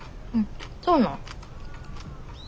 そうなん？